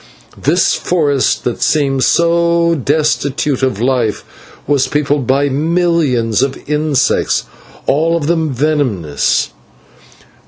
This forest that seemed so destitute of life was peopled by millions of insects, all of them venomous.